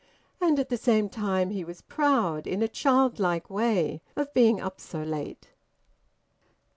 And at the same time he was proud, in a childlike way, of being up so late.